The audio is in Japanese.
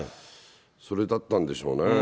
それだったんでしょうね。